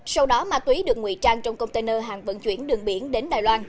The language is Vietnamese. sau đó ma túy được nguy trang trong container hàng vận chuyển đường biển đến đài loan